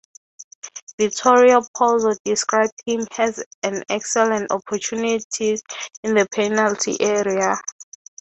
Vittorio Pozzo Described him as an excellent opportunist in the penalty area.